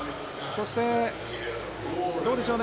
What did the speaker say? そしてどうでしょうね